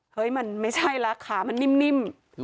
เฮ้ยมันไม่ใช่แล้วขามันนิ่ม